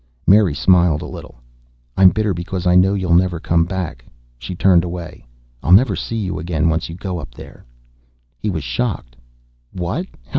Mary smiled a little. "I'm bitter because I know you'll never come back." She turned away. "I'll never see you again, once you go up there." He was shocked. "What?